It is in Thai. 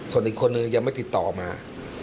ส่วนอีกคนนึงยังไม่ติดต่อมา